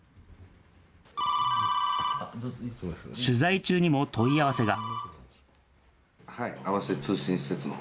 取材中にも問い合わせが。